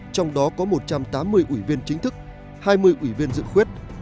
trong đó có một trăm tám mươi ủy viên chính thức hai mươi ủy viên dự khuyết